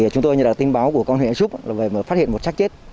chúng tôi nhận được tin báo của công an huyện e soup về phát hiện một sát chết